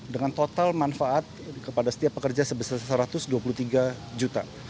dengan total manfaat kepada setiap pekerja sebesar satu ratus dua puluh tiga juta